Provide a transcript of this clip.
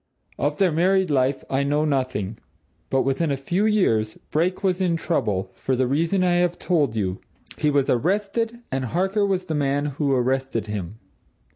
Of their married life, I know nothing. But within a few years, Brake was in trouble, for the reason I have told you. He was arrested and Harker was the man who arrested him."